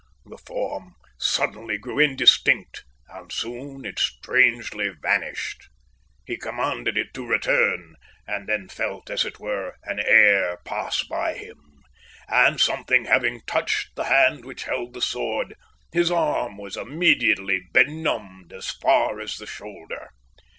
The form suddenly grew indistinct and soon it strangely vanished. He commanded it to return, and then felt, as it were, an air pass by him; and, something having touched the hand which held the sword, his arm was immediately benumbed as far as the shoulder.